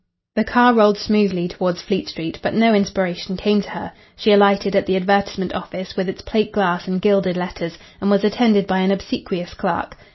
The car rolled smoothly towards Fleet Street, but no inspiration came to her. She alighted at the advertisement office, with its plate glass and gilded letters, and was attended by an obsequious clerk.